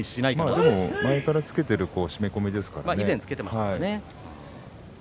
でも前からつけている締め込みだと思います。